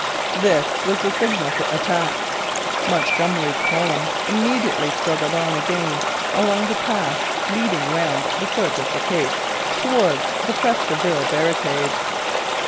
This was the signal for attack. Montgomery's column immediately struggled on again along the path leading round the foot of the Cape towards the Pres de Ville barricade.